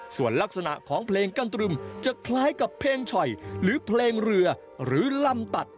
ส่วนลักษณะของเพลงกันตรึมจะคล้ายกับเพลงฉ่อยหรือเพลงเรือหรือลำตัด